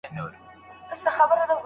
د مقالې لیکلو مسؤلیت شاګرد ته وسپاره.